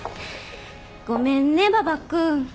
ごめんね馬場君。